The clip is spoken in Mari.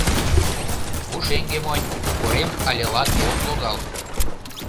Пушеҥге монь, корем але лаке ок логал.